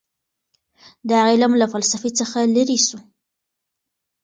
دا علم له فلسفې څخه لیرې سو.